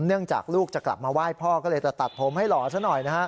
เนื่องจากลูกจะกลับมาไหว้พ่อก็เลยตัดผมให้หล่อซะหน่อย